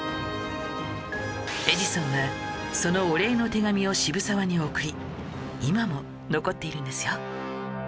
エジソンはそのお礼の手紙を渋沢に送り今も残っているんですよ